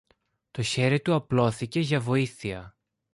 Το χέρι του απλώθηκε για βοήθεια